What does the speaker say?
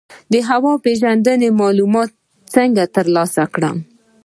د هوا پیژندنې معلومات څنګه ترلاسه کړم؟